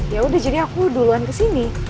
ya udah jadi aku duluan kesini